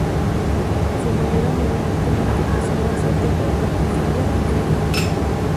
Su madera medianamente pesada es apta para carpintería, y como carbón y leña.